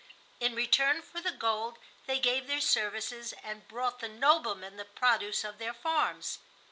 In return for the gold they gave their services and brought the "nobleman" the produce of their farms.